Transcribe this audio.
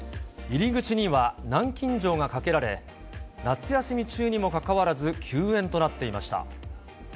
入り口には南京錠がかけられ、夏休み中にもかかわらず、休園となっていました。